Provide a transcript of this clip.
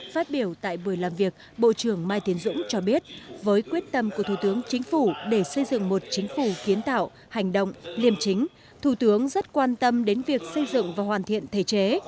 phát biểu tại buổi làm việc bộ trưởng mai tiến dũng cho biết với quyết tâm của thủ tướng chính phủ để xây dựng một chính phủ kiến tạo hành động liêm chính thủ tướng rất quan tâm đến việc xây dựng và hoàn thiện thể chế